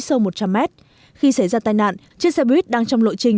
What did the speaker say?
sâu một trăm linh mét khi xảy ra tai nạn chiếc xe buýt đang trong lộ trình